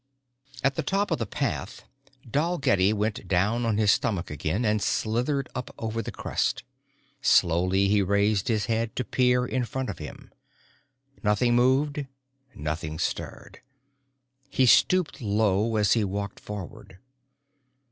At the top of the path Dalgetty went down on his stomach again and slithered up over the crest. Slowly he raised his head to peer in front of him. Nothing moved, nothing stirred. He stooped low as he walked forward.